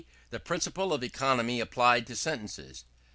The Principle of Economy applied to Sentences.